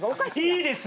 いいです。